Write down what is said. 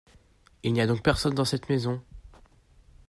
Il n’y a donc personne dans cette maison ?